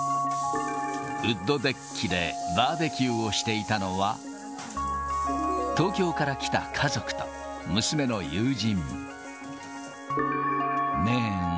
ウッドデッキでバーベキューをしていたのは、東京から来た家族と、娘の友人。